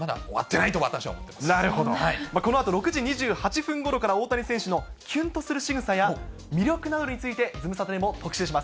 なるほど、このあと６時２８分ごろから、大谷選手のキュンとするしぐさや、魅力などについて、ズムサタでも特集します。